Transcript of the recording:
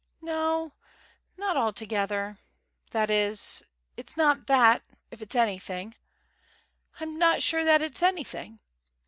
"No not altogether that is, it's not that, if it's anything. I'm not sure that it's anything.